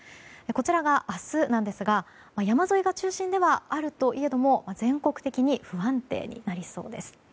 こちらが明日なんですが山沿いが中心ではあるといえども全国的に不安定になりそうです。